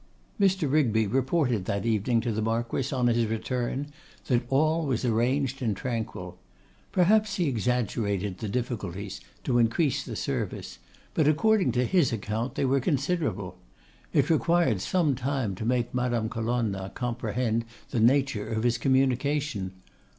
Mr. Rigby reported that evening to the Marquess on his return, that all was arranged and tranquil. Perhaps he exaggerated the difficulties, to increase the service; but according to his account they were considerable. It required some time to make Madame Colonna comprehend the nature of his communication.